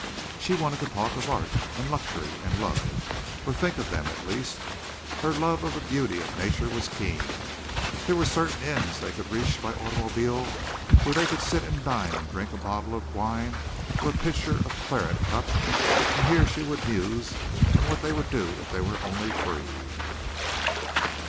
She wanted to talk of art and luxury and love, or think of them at least. Her love of the beauty of nature was keen. There were certain inns they could reach by automobile where they could sit and dine and drink a bottle of wine or a pitcher of claret cup, and here she would muse on what they would do if they were only free.